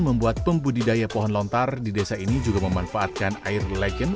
membuat pembudidaya pohon lontar di desa ini juga memanfaatkan air legend